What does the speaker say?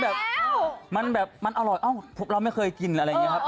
แบบมันแบบมันอร่อยเอ้าเราไม่เคยกินอะไรอย่างนี้ครับ